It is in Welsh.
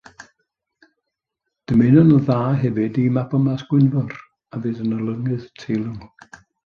Dymunwn yn dda hefyd i Mabon ap Gwynfor a fydd yn olynydd teilwng.